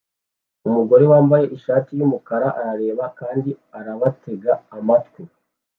umugore wambaye ishati yumukara arabareba kandi arabatega amatwi